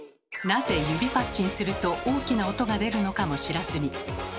なぜ指パッチンすると大きな音が出るのかも知らずに。